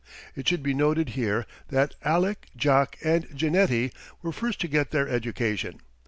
It should be noted here that Aaleck, Jock, and Jeanettie were first to get their education.